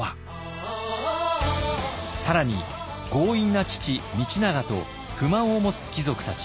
更に強引な父道長と不満を持つ貴族たち。